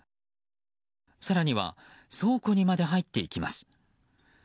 更には倉庫にまで入っていきます。